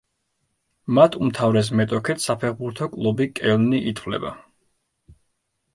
მათ უმთავრეს მეტოქედ საფეხბურთო კლუბი კელნი ითვლება.